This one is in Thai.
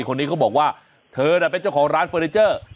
คนนี้ก็บอกว่าเธอน่ะเป็นเจ้าของร้านเฟอร์นิเจอร์